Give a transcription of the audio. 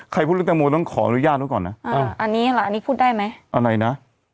พูดเรื่องแตงโมต้องขออนุญาตไว้ก่อนนะอ่าอันนี้ล่ะอันนี้พูดได้ไหมอะไรนะ